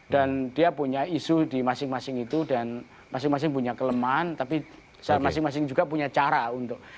dan dia punya isu di masing masing itu dan masing masing punya kelemahan tapi masing masing juga punya cara untuk